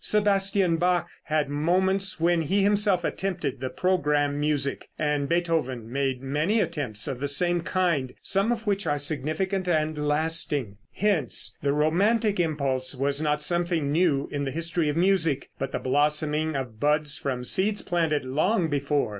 Sebastian Bach had moments when he himself attempted the programme music; and Beethoven made many attempts of the same kind, some of which are significant and lasting. Hence the romantic impulse was not something new in the history of music, but the blossoming of buds from seeds planted long before.